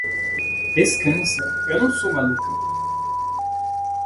Descansa; eu não sou maluca.